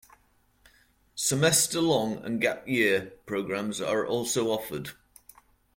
Semester long and gap-year programs are also offered.